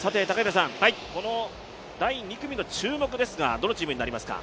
この第２組の注目ですがどのチームになりますか？